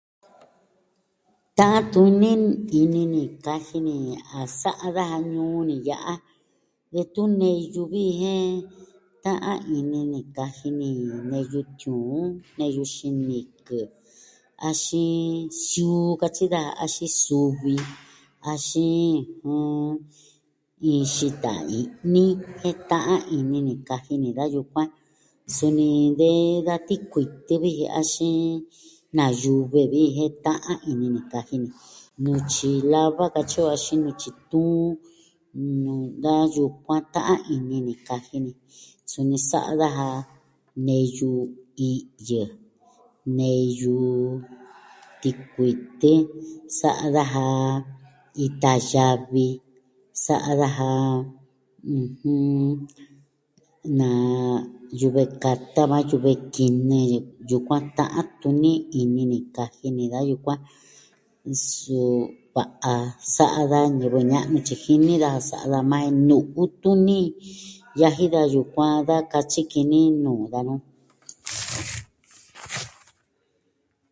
Ta'an tuni ini ni kaji ni a sa'a daja ñuu ni ya'a. Detun neyu viji jen ta'an ini ni kaji ni neyu tiuun, neyu xinikɨ, axin siuu katyi daja, axin suvi. Axin, nn... iin xita i'ni jen ta'an ini ni kaji ni da yukuan. Suni de da tikuitɨ viji axin na yuve viji ta'an ini ni kaji ni. nutyi lava katyi o axin nutyi tuun nuu da yukuan ta'an ini kaji ni. Suni sa'a daja neyu i'yɨ, neyu tikuitɨ. sa'a daja ita yavi. sa'a daja, ɨjɨn, na yuve kata yukuan, yuve kinɨ yukuan ta'an tuni ini ni kaji ni da yukuan. Su va'a sa'a da ñivɨ ña'nu tyi jini daja sa'a daja majan. jen nu'u tuni yaji da yukuan da katyi ki ni nuu danu.